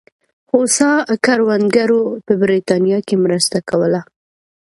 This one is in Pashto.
هوسا کروندګرو په برېټانیا کې مرسته کوله.